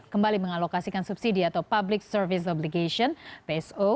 kembali mengalokasikan subsidi atau public service obligation pso